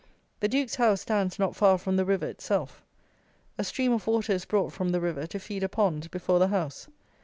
The Duke's house stands not far from the river itself. A stream of water is brought from the river to feed a pond before the house.